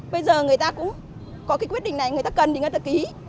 bây giờ người ta cũng có cái quyết định này người ta cần thì người ta ký